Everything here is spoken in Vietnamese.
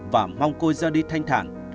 và mong cô ra đi thanh thản